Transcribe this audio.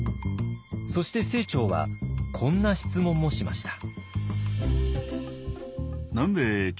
そして清張はこんな質問もしました。